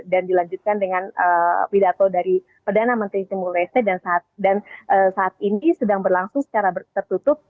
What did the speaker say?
dan dilanjutkan dengan pidato dari perdana menteri timur lese dan saat ini sedang berlangsung secara tertutup